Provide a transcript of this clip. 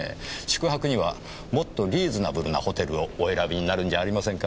宿泊にはもっとリーズナブルなホテルをお選びになるんじゃありませんかねぇ。